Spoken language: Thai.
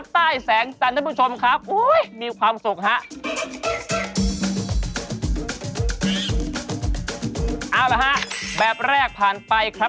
ตามแอฟผู้ชมห้องน้ำด้านนอกกันเลยดีกว่าครับ